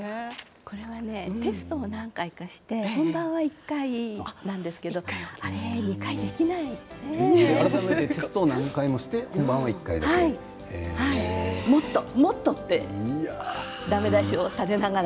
これはね、テストを何回かして、本番は１回なんですけどテストを何回もしてもっともっと、ってだめ出しをされながら。